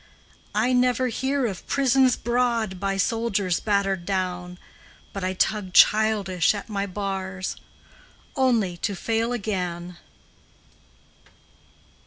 I never hear of prisons broad by soldiers battered down, But I tug childish at my bars Only to fail again!